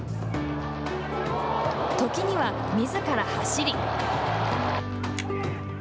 時にはみずから走り。